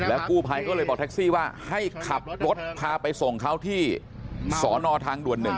แล้วกู้ไภก็เลยบอกแท็กซี่ว่าให้ขับรถพาไปส่งเขางอนทางส้อดด่วนหนึ่ง